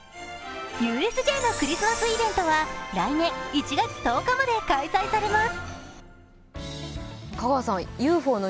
ＵＳＪのクリスマスイベントは来年１月１０日まで開催されます。